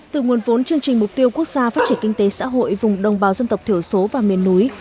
từ nguồn vốn chương trình mục tiêu quốc gia phát triển kinh tế xã hội vùng đồng bào dân tộc thiểu số và miền núi